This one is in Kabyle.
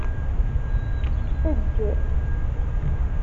Eǧǧ.